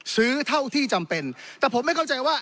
เท่าที่จำเป็นแต่ผมไม่เข้าใจว่า